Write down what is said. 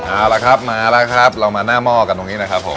เอาละครับมาแล้วครับเรามาหน้าหม้อกันตรงนี้นะครับผม